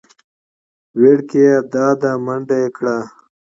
وېړکيه دا ده منډه يې کړه .